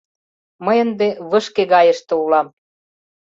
— Мый ынде вышке гайыште улам...